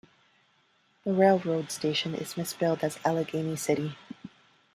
The railroad station is misspelled 'Alleghany City.